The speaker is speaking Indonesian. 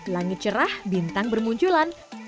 langit cerah bintang bermunculan